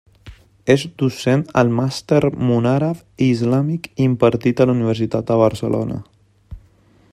És docent al Màster Món Àrab i Islàmic, impartit a la Universitat de Barcelona.